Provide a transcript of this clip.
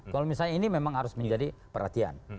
kalau misalnya ini memang harus menjadi perhatian